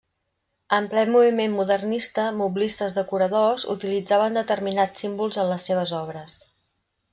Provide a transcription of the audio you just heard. En ple moviment modernista, moblistes decoradors, utilitzaven determinats símbols en les seves obres.